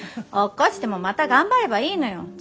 落っこちてもまた頑張ればいいのよ。